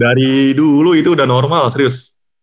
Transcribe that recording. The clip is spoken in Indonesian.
dari dulu itu udah normal serius